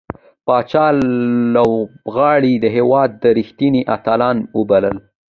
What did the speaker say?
پاچا لوبغاړي د هيواد رښتينې اتلان وبلل .